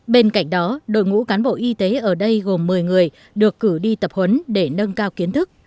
bên cạnh đó đội ngũ cán bộ y tế ở đây gồm một mươi người được cử đi tập huấn để nâng cao kiến thức